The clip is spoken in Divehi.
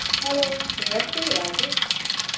ހަލޯ! ރައްޓެހި ރާގެއް